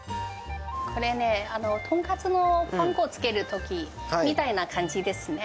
これね、豚カツのパン粉をつけるときみたいな感じですね。